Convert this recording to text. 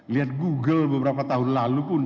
lihat google beberapa tahun lalu pun